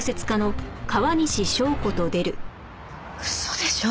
嘘でしょ？